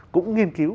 cũng nghiên cứu